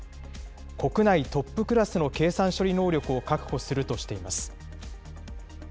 国内トップクラスの計算処理能力を確保するとしています。